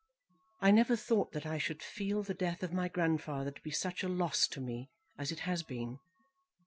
I never thought that I should feel the death of my grandfather to be such a loss to me as it has been.